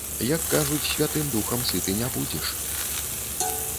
Як кажуць, святым духам сыты не будзеш.